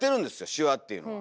シワっていうのは。